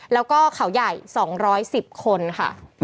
แล้วก็เขาใหญ่๒๑๐คนค่ะ